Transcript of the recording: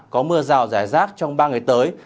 có mưa rào rải rác trong ba ngày tới